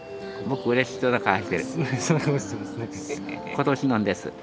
今年のんです。